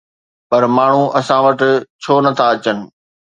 پر ماڻهو اسان وٽ ڇو نٿا اچن؟